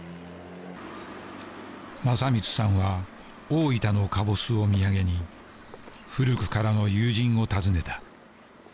正光さんは大分のカボスを土産に古くからの友人を訪ねた。